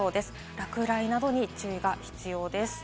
落雷などに注意が必要です。